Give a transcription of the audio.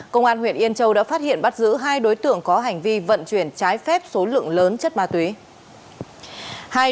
công an huyện yên châu đã phát hiện bắt giữ hai đối tượng có hành vi vận chuyển trái phép số lượng lớn chất ma túy